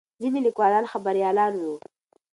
ځینې لیکوالان خبریالان وو.